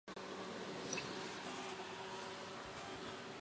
二十四小时制还是国际标准时间系统。